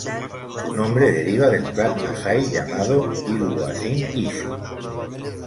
Su nombre deriva del clan masái llamado Illwuasin-kishu.